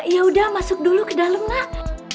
yaudah masuk dulu ke dalem nak